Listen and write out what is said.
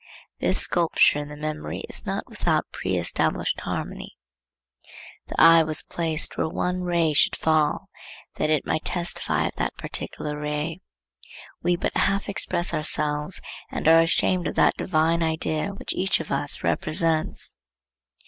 This sculpture in the memory is not without preestablished harmony. The eye was placed where one ray should fall, that it might testify of that particular ray. We but half express ourselves, and are ashamed of that divine idea which each of us represents.